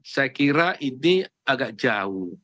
saya kira ini agak jauh